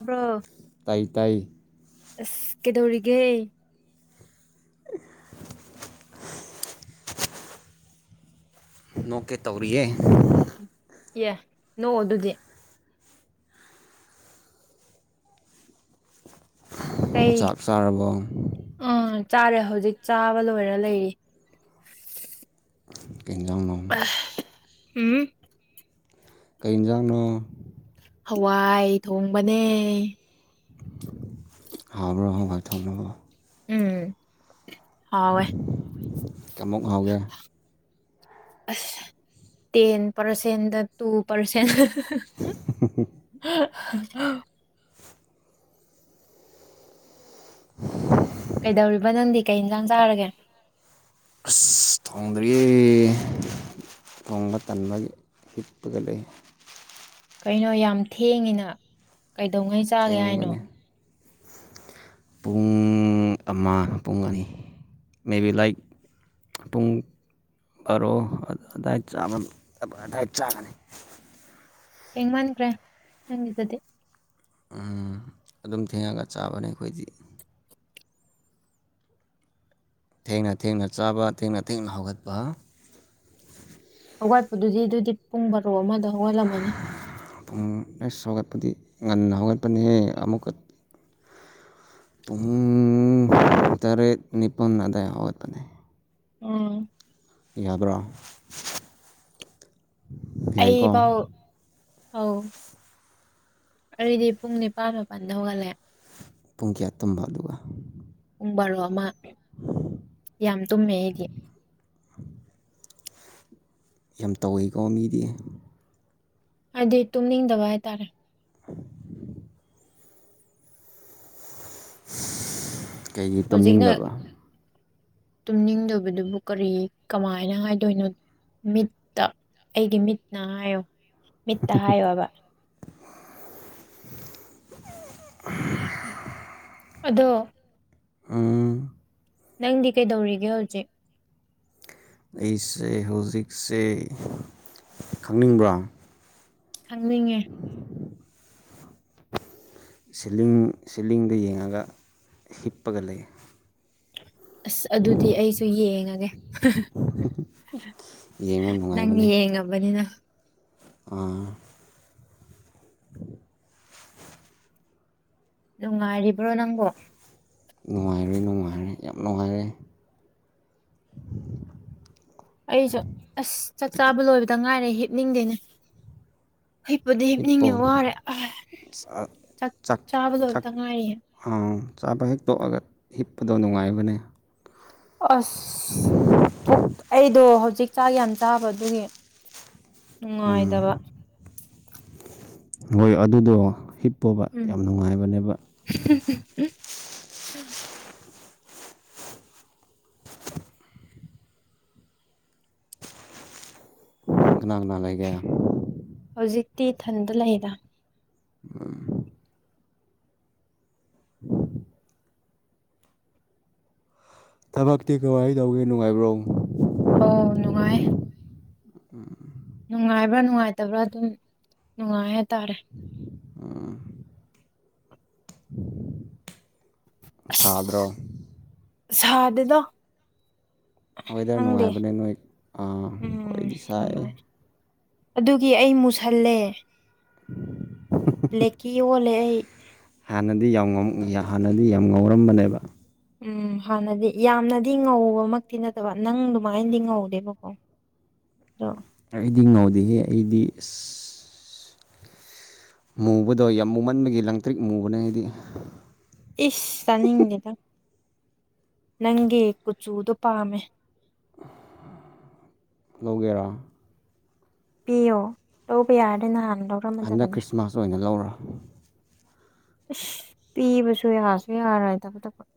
bro ꯇꯥꯏ ꯇꯥꯏ ꯑꯁ ꯀꯩꯗꯧꯔꯤꯒꯦ [inaudible] [unintelligible] ꯅꯣꯛꯀꯦ ꯇꯧꯔꯤꯌꯦꯦ ꯌꯦ ꯅꯣ ꯑꯗꯨꯗꯤ ꯀꯩ ꯆꯥꯛ ꯆꯥꯔꯕ ꯎꯝ ꯆꯥꯔꯦ ꯍꯧꯖꯤꯛ ꯆꯥꯕ ꯂꯣꯏꯔ ꯂꯩꯔꯤ ꯀꯖꯅꯣ ꯍꯝ ꯀꯩ ꯌꯦꯟꯖꯥꯡꯅꯣ ꯍꯋꯥꯏ ꯊꯣꯡꯕꯅꯦ ꯍꯥꯕ꯭ꯔꯣ ꯍ ꯍꯥꯏ ꯊꯝꯕꯣ ꯍꯋꯦ ꯀꯃꯃꯛ ꯍꯥꯎꯒꯦ ꯑ ꯇꯦꯟ ꯄꯔꯁꯦꯟ ꯇꯨ ꯄꯔꯁꯦꯟ [inaudible] [unintelligible] [inaudible] [unintelligible] ꯀꯩꯗꯧꯔꯤꯕ ꯅꯪꯗꯤ ꯀꯩ ꯌꯦꯟꯁꯥꯡ ꯆꯥꯔꯒꯦ ꯑꯁ ꯊꯉꯗꯔꯤꯌꯦꯦ ꯊꯣꯡꯕ ꯇꯟꯕ ꯍꯤꯞꯄꯒ ꯂꯩ ꯀꯩꯅꯣ ꯌꯥꯝ ꯊꯦꯡꯉꯤꯅ ꯀꯩꯗꯧꯉꯩ ꯆꯥꯒꯦ ꯍꯥꯏꯅꯣ ꯊꯦꯡꯕꯅꯦ [inaudible] [unintelligible] ꯄꯨꯡ ꯑꯃ ꯄꯨꯡ ꯑꯅꯤ ꯃꯦ ꯕꯤ ꯂꯥꯏꯛ ꯄꯨꯡ ꯕꯥꯔꯣ ꯑꯏꯥꯏ ꯆꯥꯒꯅꯤ ꯍꯡ ꯃꯟꯈ꯭ꯔꯦ ꯅꯪꯒꯤꯗꯗꯤ ꯑꯗꯨꯝ ꯊꯦꯡꯉꯒ ꯆꯥꯕꯅꯦ ꯑꯩꯈꯣꯏꯗꯤ ꯊꯦꯡꯅ ꯊꯦꯡꯅ ꯆꯥꯕ ꯊꯦꯡꯅ ꯊꯦꯡꯅ ꯍꯧꯒꯠꯄ ꯑꯋꯥꯠꯄꯗꯨꯗꯤ ꯑꯗꯨꯗꯤ ꯄꯨꯡ ꯕꯥꯔꯣ ꯑꯃꯗ ꯍꯧꯒꯠꯂꯝꯃꯅꯤ ꯄꯨꯡ ꯂꯁ ꯍꯧꯒꯠꯄꯗꯤ ꯉꯟꯅ ꯍꯧꯒꯠꯄꯅꯦ ꯑꯃꯨꯛꯀ ꯄꯨꯡ ꯇꯔꯦꯠ ꯅꯤꯄꯜ ꯑꯗꯥꯏ ꯍꯧꯋꯥꯒꯠꯄꯅꯦ ꯎꯝ ꯌꯥꯕ꯭ꯔꯥ ꯑꯩꯕꯥꯥꯎ ꯑꯥꯎ ꯑꯗꯨꯗꯤ ꯄꯨꯡ ꯅꯤꯄꯥꯜ ꯃꯥꯄꯜꯗ ꯍꯧꯒꯠꯂꯦ ꯄꯨꯡ ꯀꯌꯥ ꯇꯝꯕ ꯑꯗꯨꯒ ꯄꯨꯡ ꯕꯥꯔꯣ ꯑꯃ ꯌꯥꯝ ꯇꯨꯝꯃꯦ ꯑꯩꯗꯤ [inaudible] ꯌꯥꯝ ꯇꯧꯏꯤꯀꯣ ꯃꯤꯗꯤ ꯍꯥꯏꯗꯤ ꯇꯨꯝꯅꯤꯡꯗꯕ ꯍꯥꯏꯇꯥꯔꯦ ꯀꯩꯒꯤ ꯍꯧꯖꯤꯛꯅ ꯇꯨꯝꯅꯤꯡꯗꯕ ꯇꯨꯝꯅꯤꯡꯗꯕꯗꯨꯕꯨ ꯀꯔꯤ ꯀꯃꯥꯏꯅ ꯍꯥꯏꯗꯣꯏꯅꯣ ꯃꯤꯠꯇ ꯑꯩꯒꯤ ꯃꯤꯠꯅ ꯍꯥꯏꯌꯣ ꯃꯤꯠꯇ ꯍꯥꯏꯌꯣꯕ ꯑ ꯑꯗꯣ ꯑ ꯅꯪꯗꯤ ꯀꯩꯗꯧꯔꯤꯒꯦ ꯍꯧꯖꯤꯛ ꯑꯩꯁꯦ ꯍꯧꯖꯤꯛꯁꯦ ꯈꯪꯅꯤꯡꯕ꯭ꯔꯥ ꯈꯪꯅꯤꯡꯉꯦ ꯁꯤꯂꯤꯡ ꯁꯤꯂꯤꯡꯗ ꯌꯦꯡꯉꯒ ꯍꯤꯞꯄꯒ ꯂꯩ ꯑꯁ ꯑꯗꯨꯗꯤ ꯑꯩꯁꯨ ꯌꯦꯡꯉꯒꯦ ꯌꯦꯡꯉꯨ ꯅꯪ ꯌꯦꯡꯉꯕꯅꯤꯅ ꯑ ꯅꯨꯡꯉꯥꯏꯔꯤꯕ꯭ꯔꯣ ꯅꯪꯕꯣ ꯅꯨꯡꯉꯥꯏꯔꯦ ꯅꯨꯡꯉꯥꯏꯔꯦ ꯌꯥꯝ ꯅꯨꯡꯉꯥꯏꯔꯦ ꯑꯩꯁꯨ ꯑꯁ ꯆꯥꯛ ꯆꯥꯕ ꯂꯣꯏꯕꯗ ꯉꯥꯏꯔꯦ ꯍꯤꯞꯅꯤꯡꯗꯦꯅꯦ ꯍꯩꯄꯨꯗꯤ ꯍꯤꯞꯄꯣ ꯍꯤꯞꯅꯤꯡꯉꯦ ꯋꯥꯔꯦ ꯑ ꯆꯥꯛ ꯆꯥꯕ ꯆ ꯂꯣꯏꯕꯗ ꯉꯥꯏꯔꯤꯌꯦ ꯑꯥ ꯑ ꯆꯥꯕ ꯍꯦꯛꯛꯇꯣꯛꯑꯒ ꯍꯤꯞꯄꯗꯣ ꯅꯨꯡꯉꯥꯏꯕꯅꯦ ꯑꯁ ꯄꯨ ꯑꯩꯗꯣ ꯍꯧꯖꯤꯛ ꯆꯥꯛ ꯌꯥꯝ ꯆꯥꯕ ꯑꯗꯨꯒꯤ ꯅꯨꯡꯉꯥꯏꯇꯕ ꯍꯣꯏ ꯑꯗꯨꯗꯣ ꯍꯤꯞꯄꯣꯕ ꯌꯥꯝ ꯎꯝ ꯅꯨꯡꯉꯥꯏꯕꯅꯦꯕ ꯎꯝ ꯀꯅꯥ ꯀꯅꯥ ꯂꯩꯒ ꯍꯧꯖꯤꯛꯇꯤ ꯊꯟꯗ ꯂꯩꯗ ꯎꯝ ꯎ ꯊꯕꯛꯇꯤ ꯀꯍ ꯇꯧꯒꯦ ꯅꯨꯡꯉꯥꯏꯕ꯭ꯔꯣ ꯑꯥꯎ ꯅꯨꯡꯉꯥꯏ ꯅꯨꯡꯉꯥꯏꯕ꯭ꯔꯥ ꯅꯨꯡꯉꯥꯏꯇꯕ꯭ꯔꯥ ꯑꯗꯨꯝ ꯅꯨꯡꯉꯥꯏ ꯍꯥꯏꯇꯥꯔꯦ ꯁꯥꯗ꯭ꯔꯣ ꯁꯥꯗꯗ ꯋꯦꯗꯔ ꯅꯨꯡꯉꯥꯏꯕꯅꯦ ꯅꯣꯏ ꯎꯝ ꯑꯩꯈꯣꯏꯗꯤ ꯁꯥꯏ ꯅꯨꯡꯉꯥꯏ ꯑꯗꯨꯒꯤ ꯑꯩ ꯃꯨꯁꯜꯂꯦ [inaudible] ꯂꯩꯀꯤ ꯑꯣꯜꯂꯦ ꯑꯩ ꯍꯥꯟꯅꯗꯤ ꯌꯥꯝ ꯍꯥꯟꯅꯗꯤ ꯌꯥꯝ ꯉꯧꯔꯝꯕꯅꯦꯕ ꯎꯝ ꯍꯥꯟꯅꯗꯤ ꯌꯥꯝꯅꯗꯤ ꯉꯧꯕꯃꯛꯇꯤ ꯅꯠꯇꯕ ꯅꯪ ꯑꯗꯨꯃꯥꯏꯅꯗꯤ ꯉꯧꯗꯦꯕꯀꯣ ꯑ ꯑꯩꯗꯤ ꯉꯥꯎꯗꯍꯦ ꯑꯩꯗꯤ ꯑ ꯃꯨꯕꯗꯣ ꯌꯥꯝ ꯃꯨꯃꯟꯕꯒꯤ ꯂꯪꯇ꯭ꯔꯤꯛ ꯃꯨꯕꯅ ꯍꯥꯏꯗꯤ ꯏꯁ ꯆꯥꯅꯤꯡꯗꯦꯗ ꯅꯪꯒꯤ ꯀꯨꯆꯨꯗꯨꯣ ꯄꯥꯝꯃꯦ ꯂꯧꯒꯦꯔꯥ ꯄꯕꯤꯌꯣ ꯂꯧꯕ ꯌꯥ ꯑꯗꯨꯅꯥꯟ ꯍꯟꯗꯛ ꯈ꯭ꯔꯤꯁꯃꯥꯁ ꯑꯣꯏꯅ ꯂꯧꯔ ꯄꯤꯕꯁꯨ ꯌꯥꯁꯨ ꯌꯥꯔ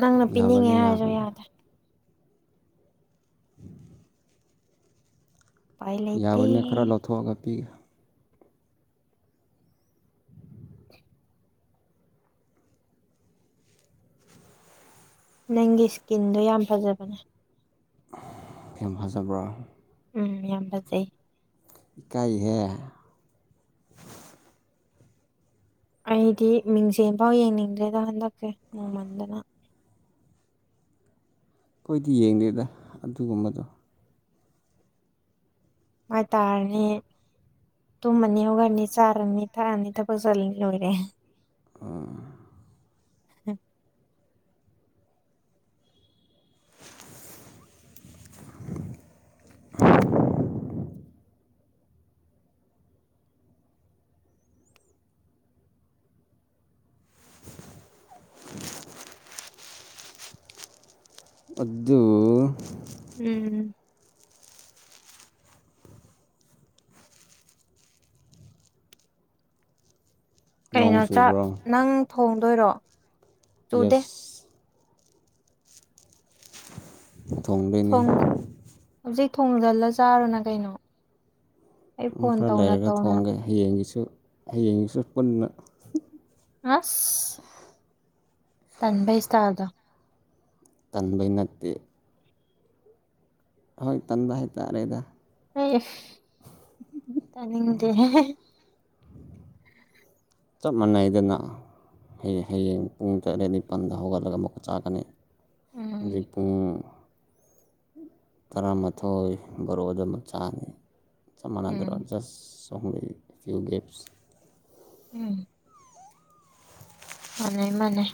ꯅꯪꯅ ꯄꯤꯅꯤꯡꯉꯦ ꯌꯥꯕꯅꯦ ꯍꯥꯏꯔꯁꯨ ꯌꯥꯕꯅꯦ ꯌꯥꯗ꯭ꯔꯦ ꯎꯄꯥꯏ ꯂꯩꯇꯦ ꯌꯥꯕꯅꯦ ꯈꯔ ꯂꯧꯊꯣꯛꯑꯒ ꯄꯤꯒ꯭ꯔꯦ ꯅꯪꯒꯤ ꯏꯁꯀꯤꯟꯗꯣ ꯌꯥꯝ ꯐꯖꯕꯅꯦ ꯍꯦꯝꯐꯖꯕꯣꯔ ꯎꯝ ꯌꯥꯝ ꯐꯖꯩ ꯏꯀꯥꯏꯍꯦ ꯑꯩꯗꯤ ꯃꯤꯡꯁꯦꯟꯐꯥꯎ ꯌꯦꯡꯅꯤꯡꯗ꯭ꯔꯦꯗ ꯍꯟꯗꯛꯀꯦ ꯅꯣꯡꯃꯟꯗꯅ ꯑꯩꯈꯣꯏꯗꯤ ꯌꯦꯡꯗꯦꯗ ꯑꯗꯨꯒꯨꯝꯕꯗꯣ ꯍꯥꯏꯇꯥꯔꯅꯤ ꯇꯨꯝꯃꯅꯤ ꯑꯣꯒꯅꯤ ꯆꯥꯔꯅꯤ ꯊꯛꯑꯅꯤ ꯊꯕ ꯆꯜꯂꯅꯤ ꯂꯣꯏꯔꯦ ꯑꯣ ꯎꯝ [inaudible] [unintelligible] ꯑꯗꯨ ꯎꯝ ꯅꯣꯡ ꯀꯩꯅꯣ ꯆ ꯆꯨꯕ꯭ꯔꯣ ꯅꯪ ꯊꯣꯡꯗꯣꯏꯔꯣ ꯆꯨꯗꯦ ꯌꯦꯁ ꯊꯣꯡꯕꯤꯅꯤ ꯊꯣꯡꯗꯜꯂ ꯆꯥꯔꯣꯅ ꯀꯩꯅꯣ ꯑꯩ ꯐꯣꯟ ꯈꯔ ꯇꯧꯅ ꯂꯩꯔꯒ ꯇꯧꯅ ꯊꯣꯡꯒꯦ ꯍꯌꯦꯡꯒꯤꯁꯨ ꯍꯌꯦꯡꯒꯤꯁꯨ ꯄꯨꯟꯅ ꯑꯁ ꯇꯟꯕꯩꯁꯥꯗ ꯇꯟꯕꯩ ꯅꯠꯇꯦ ꯍꯣꯏ ꯇꯥꯟꯕꯥ ꯍꯩ ꯇꯥꯛꯦꯗ ꯍ ꯇꯅꯤꯡꯗꯦ ꯆꯞ ꯃꯥꯟꯅꯩꯗꯅ ꯍꯌꯦꯡ ꯍꯌꯦꯡ ꯄꯨꯡ ꯇꯔꯦꯠ ꯅꯤꯄꯜꯗ ꯍꯧꯒꯠꯂꯒ ꯑꯃꯨꯛꯀ ꯆꯥꯒꯅꯤ ꯎꯝ ꯍꯧꯖꯤꯀꯣꯏ ꯇꯔꯥꯃꯥꯊꯣꯏ ꯕꯣꯔꯣꯛ ꯑꯗꯨꯃꯛ ꯆꯥꯅꯤ ꯆꯞ ꯃꯥꯟꯅꯗꯔꯣ ꯎꯝ ꯖꯁ ꯇꯨꯝ ꯀꯨꯒꯦꯞꯁ ꯎꯝ ꯑ ꯏꯃꯅꯦ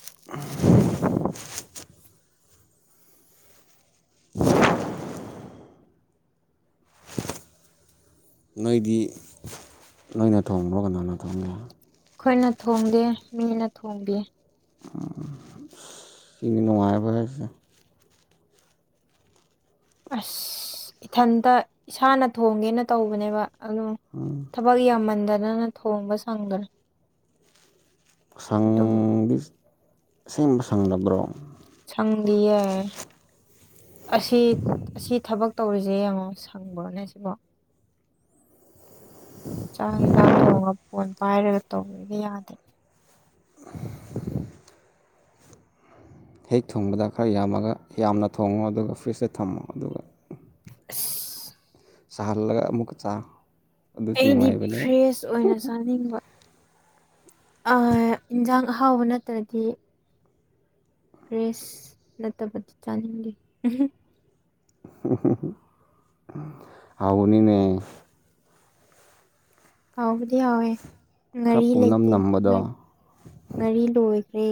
[inaudible] [unintelligible] [inaudible] [unintelligible] ꯅꯣꯏꯗꯤ ꯅꯣꯏꯅ ꯊꯣꯡꯕ꯭ꯔꯣ ꯀꯗꯅ ꯊꯣꯡꯒ ꯑꯩꯈꯣꯏꯅ ꯊꯣꯡꯗꯦ ꯃꯤꯅ ꯊꯣꯡꯗꯦ ꯑ ꯁꯤꯒꯤ ꯅꯨꯡꯉꯥꯏꯕ ꯍꯥꯏꯁꯦ ꯑꯁ ꯏꯊꯟꯇ ꯏꯁꯥꯅ ꯊꯣꯡꯒꯦꯅ ꯇꯧꯕꯅꯦꯕ ꯑꯗꯨꯣ ꯊꯕꯛ ꯌꯥꯝꯃꯟꯗꯅꯅ ꯊꯣꯡꯕ ꯁꯪꯗ꯭ꯔꯦ ꯑꯗꯨꯝ ꯁꯪꯗꯤ ꯁꯦꯝꯕ ꯁꯪꯗꯕ꯭ꯔꯣ ꯆꯪꯂꯤꯑ ꯑꯁꯤ ꯑꯁꯤ ꯊꯕꯛ ꯇꯧꯔꯤꯁꯦ ꯌꯦꯡꯉꯣ ꯁꯪꯕ꯭ꯔꯣꯅꯦ ꯁꯤꯕꯣ ꯆꯥꯛ ꯏꯟꯁꯥꯡ ꯊꯣꯡꯉ ꯐꯣꯟ ꯄꯥꯏꯔꯒ ꯇꯧꯕꯤꯕ ꯌꯥꯗꯦ ꯍꯦꯛ ꯊꯣꯡꯕꯗ ꯈꯔ ꯌꯥꯝꯃꯒ ꯌꯥꯝꯅ ꯊꯣꯡꯉꯣ ꯑꯗꯨꯒ ꯐ꯭ꯔꯤꯖꯇ ꯊꯝꯃꯣ ꯑꯗꯨꯒ [inaudible] ꯁꯍꯔ ꯂꯥꯛ ꯑꯃꯨ ꯀ ꯆ ꯑꯩꯗꯤ ꯐ꯭ꯔꯦꯁ ꯑꯣꯏꯅ ꯆꯥꯅꯤꯡꯕ ꯏꯟꯁꯥꯡ ꯑꯍꯥꯎꯕ ꯅꯠꯇ꯭ꯔꯗꯤ ꯄ꯭ꯔꯦꯁ ꯅꯠꯇꯕꯗꯤ ꯆꯥꯅꯤꯡꯗꯦ [inaudible] ꯍꯥꯎꯕꯗꯤ ꯍꯥꯎꯋꯦ ꯈꯔ ꯉꯥꯔꯤ ꯄꯨꯝꯅꯝ ꯂꯩꯇꯦ ꯅꯝꯕꯗꯣ ꯉꯥꯔꯤ ꯂꯣꯏ ꯇꯦ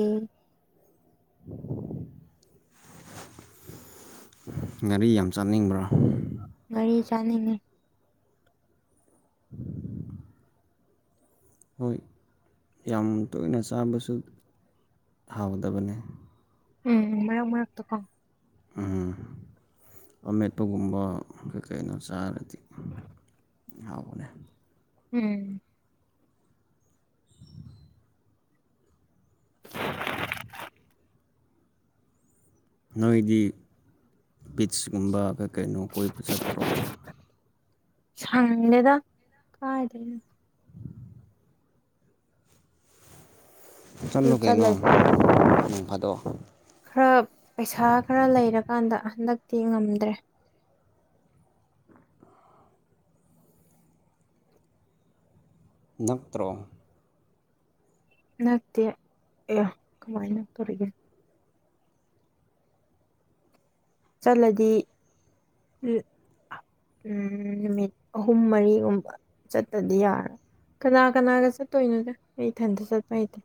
ꯉꯔꯤ ꯌꯥꯝ ꯆꯥꯅꯤꯡꯕ꯭ꯔꯥ ꯒꯥꯔꯤ ꯆꯅꯤꯡꯒꯦ ꯍꯣꯏ ꯌꯥꯝ ꯇꯣꯏꯅ ꯆꯥꯕꯁꯨ ꯊꯥꯎꯗꯕꯅꯦ ꯎꯝ ꯃꯔꯛ ꯃꯔꯛꯇ ꯀꯣ ꯎ ꯑꯣꯃꯦꯠꯇꯣꯒꯨꯝꯕ ꯀꯩ ꯀꯩꯅꯣ ꯆꯥꯔꯗꯤ ꯑꯕꯅꯦ ꯎꯝ ꯅꯣꯏꯗꯤ ꯕꯤꯠꯁꯀꯨꯝꯕ ꯀꯩꯅꯣ ꯀꯣꯏꯕ ꯆꯠꯇ꯭ꯔꯣ ꯁꯅꯦꯗ ꯀꯥꯏ ꯊ ꯑꯗꯨ ꯆꯠꯂꯨ ꯀꯩꯅꯣ ꯆꯠꯂꯗꯤ ꯐꯥꯗꯣ ꯈꯔ ꯄꯩꯁꯥ ꯈꯔ ꯂꯩꯔꯀꯥꯟꯗ ꯍꯟꯗꯛꯇꯤ ꯉꯝꯗ꯭ꯔꯦ [inaudible] ꯅꯛꯇ꯭ꯔ ꯅꯠꯇ ꯑ ꯀꯃꯥꯏꯅ ꯇꯧꯒꯦ ꯆꯠꯂꯗꯤ ꯎ ꯎꯝ ꯅꯨꯃꯤꯠ ꯑꯍꯨꯝ ꯃꯔꯤꯒꯨꯝꯕ ꯆꯠꯇꯗꯤ ꯌꯥꯔꯣꯏ ꯀꯅꯥ ꯀꯅꯥꯒ ꯆꯠꯇꯣꯏꯅꯣꯗ ꯑꯩ ꯏꯊꯟꯇ ꯆꯠꯄ ꯍꯩꯇꯦ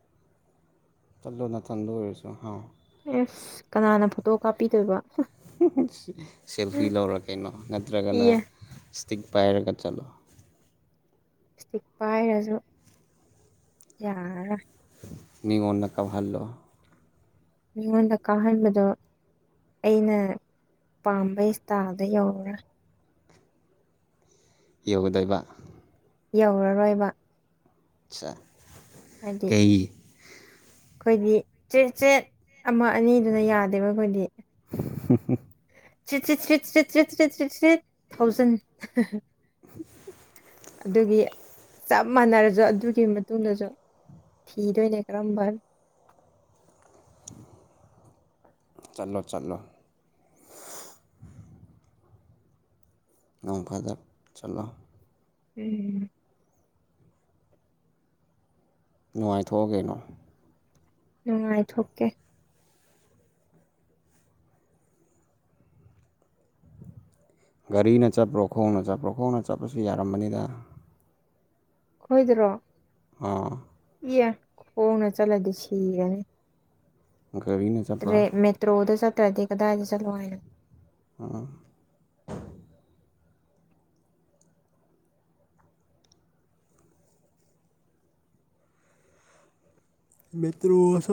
ꯊꯟꯂꯣ ꯅ ꯊꯟꯗꯣ ꯑꯣꯏꯁꯨ ꯍꯥꯎ ꯑꯦꯁ ꯀꯅꯥꯅ ꯐꯣꯇꯣ ꯀꯥꯞꯄꯤꯗꯣꯏꯕ ꯁꯦꯜꯐꯤ ꯂꯧꯔ ꯀꯩꯅꯣ ꯅꯠꯇ꯭ꯔꯒꯅ ꯏꯌꯦ ꯃꯇꯤꯛ ꯄꯥꯏꯔꯒ ꯆꯠꯂꯣ ꯏꯁꯇꯤꯛ ꯄꯥꯏꯔꯁꯨ ꯌꯥꯔ ꯃꯤꯉꯣꯟ ꯗꯀꯥ ꯜꯂꯣ ꯃꯤꯉꯣꯟꯗ ꯀꯥꯍꯟꯕꯗ ꯑꯩꯅ ꯄꯥꯝꯕ ꯏꯟꯁꯇꯥꯗ ꯌꯧ꯭ꯔꯥ ꯌꯣꯒꯗꯕ ꯌꯧꯔꯔꯣꯏꯕ ꯑꯆꯥ ꯍꯥꯏ ꯑꯩꯈꯣꯏꯗꯤ ꯆꯦꯠ ꯆꯦꯠ ꯑꯃ ꯑꯅꯤꯗꯨꯅ ꯌꯥꯗꯦꯕ ꯑꯩꯈꯣꯏꯗꯤ ꯎ ꯆ ꯆ ꯆ ꯆ ꯆ ꯆꯔꯤ ꯊꯥꯎꯖꯟ ꯑꯗꯨꯒꯤ ꯆꯞ ꯃꯥꯟꯅꯔꯁꯨ ꯑꯗꯨꯒꯤ ꯃꯇꯨꯡꯗꯁꯨ ꯊꯤꯗꯣꯏꯅꯦ ꯀꯔꯝꯕꯅ [inaudible] ꯆꯠꯂꯣ ꯆꯠꯂꯣ ꯅꯣꯡꯐꯗ ꯆꯂꯣ ꯎꯝ ꯅꯨꯡꯉꯥꯏꯊꯣꯛꯑ ꯀꯩꯅꯣ ꯎꯝꯥꯏ ꯊꯀꯦ ꯒꯥꯔꯤꯅ ꯆꯠꯄ꯭ꯔꯣ ꯈꯣꯡꯅ ꯆꯠꯄ꯭ꯔꯣ ꯈꯣꯡꯅ ꯆꯠꯄꯁꯨ ꯌꯥꯔꯝꯕꯅꯤꯗ ꯈꯣꯏꯗ꯭ꯔꯣ ꯑꯣ ꯐꯅ ꯆꯂꯗꯤ ꯁꯤꯒꯅꯦ ꯒꯥꯔꯤꯅ ꯇꯦ ꯆꯠꯄ꯭ꯔꯣ ꯃꯦꯠꯇ꯭ꯔꯣꯗ ꯁꯠꯇ꯭ꯔꯗꯤ ꯀꯗꯥꯏꯗ ꯆꯂ ꯑ ꯃꯦꯇꯔꯣ ꯁꯦ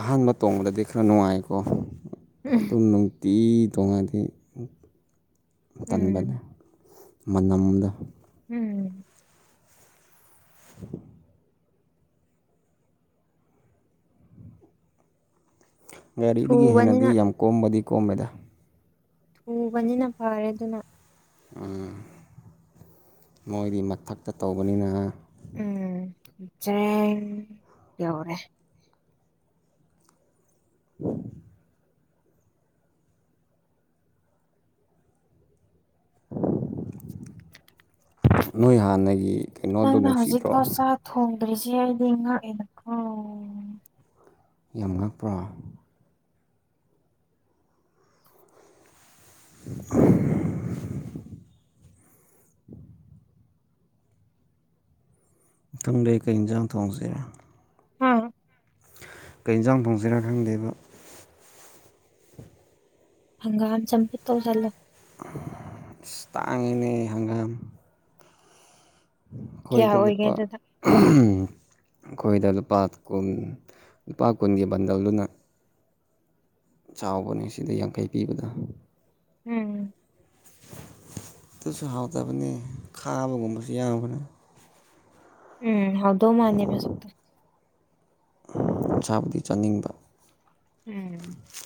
ꯑꯍꯥꯟꯕ ꯇꯣꯡꯕꯗꯗꯤ ꯈꯔ ꯅꯨꯡꯉꯥꯏꯀꯣ ꯎꯝ ꯑꯗꯨꯝ ꯅꯨꯡꯇꯤ ꯇꯣꯡꯉꯗꯤ ꯀꯟꯕꯅꯦ ꯎꯝ ꯃꯅꯝꯗ ꯎꯝ ꯒꯥꯔꯤꯗꯒꯤ ꯍꯦꯟꯅꯗꯤ ꯊꯨꯕꯅꯤꯅ ꯌꯥꯝ ꯀꯣꯝꯕꯗꯤ ꯀꯣꯝꯃꯦꯗ ꯊꯨꯕꯅꯤꯅ ꯐꯔꯦ ꯑꯗꯨꯅ ꯎ ꯃꯣꯏꯗꯤ ꯃꯊꯛꯇ ꯇꯧꯕꯅꯤꯅ ꯎꯝ ꯆ꯭ꯔꯦꯟ ꯌꯧꯔꯦ ꯎꯝ ꯅꯣꯏ ꯍꯥꯟꯅꯒꯤ ꯀꯩꯅꯣꯗꯣ ꯅꯪꯅ ꯍꯧꯖꯤꯛ ꯅꯨꯡꯁꯤꯗ꯭ꯔꯣ ꯐꯥꯎ ꯆꯥ ꯊꯣꯡꯗ꯭ꯔꯤꯁꯤ ꯑꯩꯗꯤ ꯉꯥꯛꯑꯅꯀꯣ ꯌꯥꯝ ꯉꯛꯄ꯭ꯔꯣ [inaudible] ꯏꯊꯪ ꯂꯩꯀꯩ ꯌꯦꯟꯖꯥꯡ ꯊꯣꯡꯁꯦ ꯑꯥ ꯀꯩ ꯌꯦꯟꯁꯥꯡ ꯊꯣꯡꯁꯤꯅ ꯈꯪꯗꯦꯕ ꯍꯪꯒꯥ ꯑꯝ ꯆꯄ ꯇꯧ ꯆꯂ ꯇꯥꯥꯡ ꯏꯅꯦꯅꯤ ꯍꯪꯒꯥꯝ ꯀꯌꯥ ꯑꯩꯈꯣꯏꯗ ꯑꯣꯏꯒꯦ ꯂꯨꯄꯥ ꯑꯗꯨꯗ ꯑꯩꯈꯣꯏꯗ ꯂꯨꯄꯥ ꯀꯨꯟ ꯂꯨꯄꯥ ꯀꯨꯟꯒꯤ ꯕꯟꯗꯜꯗꯨꯅ ꯆꯥꯎꯕꯅꯦ ꯁꯤꯗ ꯌꯥꯡꯈꯩ ꯄꯤꯕꯗ ꯎꯝ ꯑꯗꯨꯁꯨ ꯍꯥꯎꯇꯕꯅꯦ ꯈꯥꯕꯒꯨꯝꯕꯁꯨ ꯌꯥꯝꯕꯅ ꯎꯝ ꯍꯥꯎꯗꯣ ꯃꯥꯅꯤ ꯃ ꯏꯁꯥꯕꯨꯗꯤ ꯆꯥꯅꯤꯡꯕ ꯎꯝ